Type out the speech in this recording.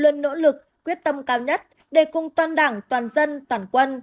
luôn nỗ lực quyết tâm cao nhất để cùng toàn đảng toàn dân toàn quân